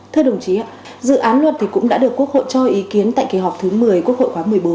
thưa đồng chí ạ dự án luật cũng đã được quốc hội cho ý kiến tại kỳ họp thứ một mươi quốc hội khóa một mươi bốn